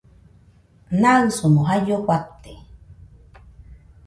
Naɨsomo jaio fate